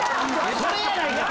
それやないか！